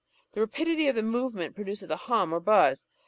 The rapidity of the movement produces a hum or buzz.